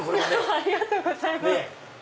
ありがとうございます。